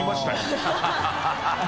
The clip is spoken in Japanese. ハハハ